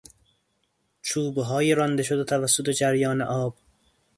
چوبهای رانده شده توسط جریان آب